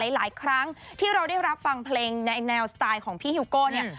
หลายครั้งที่เราได้รับฟังเพลงในแนวสไตล์ของพี่ฮิวโก้เนี่ย